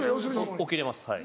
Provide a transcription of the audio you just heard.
起きれますはい。